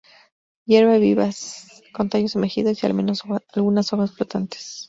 Hierba vivaz, con tallos sumergidos y al menos algunas hojas flotantes.